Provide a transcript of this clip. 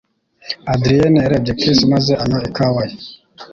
Adrienne yarebye Chris maze anywa ikawa ye.